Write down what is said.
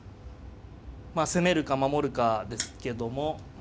まあ攻めるか守るかですけども。